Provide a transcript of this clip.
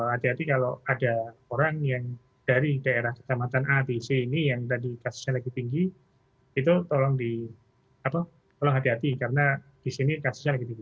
hati hati kalau ada orang yang dari daerah kejamatan a b c ini yang tadi kasusnya lagi tinggi itu tolong hati hati karena di sini kasusnya lagi tinggi